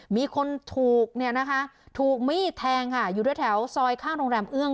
มีคนถูกเนี่ยนะคะถูกมีดแทงค่ะอยู่ด้วยแถวซอยข้างโรงแรมเอื้อง